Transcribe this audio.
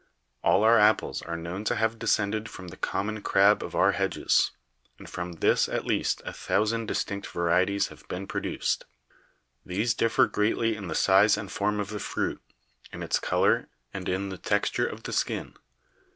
All our apples are known to have descended from the com mon crab of our hedges, and from this at least a thou sand distinct varieties have been produced. These differ greatly in the size and form of the fruit, in its color, and in the texture of the skin.